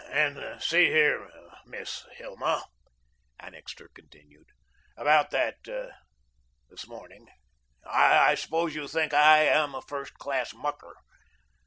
"And see here, Miss Hilma," Annixter continued, "about that this morning I suppose you think I am a first class mucker.